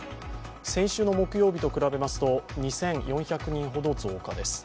先週の木曜日と比べますと２４００人ほど増加です。